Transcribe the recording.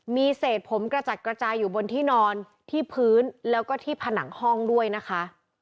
มีเศษผมกระจัดกระจายอยู่บนที่นอนที่พื้นแล้วก็ที่ผนังห้องด้วยนะคะ